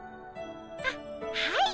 あっはい。